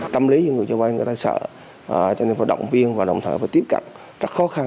tâm lý những người chơi vay người ta sợ cho nên phải động viên và động thở và tiếp cận rất khó khăn